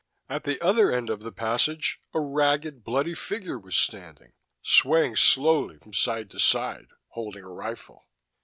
At the other end of the passage, a ragged bloody figure was standing, swaying slowly from side to side, holding a rifle.